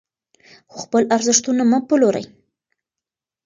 خو خپل ارزښتونه مه پلورئ.